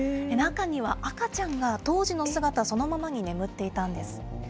中には赤ちゃんが、当時の姿そのままに眠っていたんです。